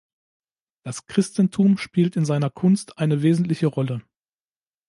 Das Christentum spielt in seiner Kunst eine wesentliche Rolle.